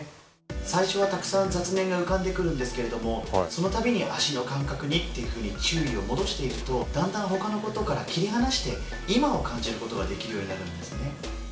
最初はたくさん雑念が浮かんでくるんですけれどもその度に足の感覚にっていうふうに注意を戻していくとだんだんほかのことから切り離して今を感じることができるようになるんですね。